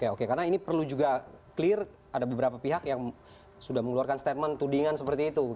oke karena ini perlu juga clear ada beberapa pihak yang sudah mengeluarkan statement tudingan seperti itu